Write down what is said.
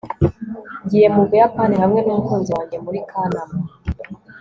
ngiye mu buyapani hamwe n'umukunzi wanjye muri kanama